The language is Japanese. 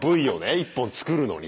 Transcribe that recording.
１本作るのに。